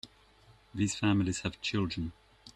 These families have children.